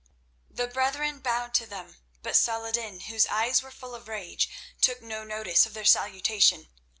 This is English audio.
The brethren bowed to them, but Saladin, whose eyes were full of rage, took no notice of their salutation.